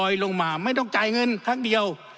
ลงมาไม่ต้องจ่ายเงินครั้งเดียว